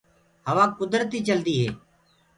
هوآ ڪُدرتيٚ چلدو هي